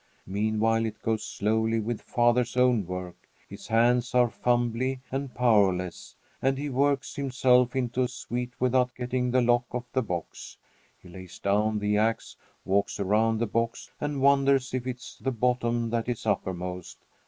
Meanwhile it goes slowly with father's own work. His hands are fumbly and powerless, and he works himself into a sweat without getting the lock off the box. He lays down the axe, walks around the box, and wonders if it's the bottom that is uppermost.